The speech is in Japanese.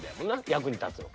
役に立つの。